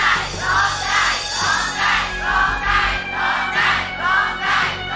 ร้องได้ร้องได้ร้องได้ร้องได้ร้องได้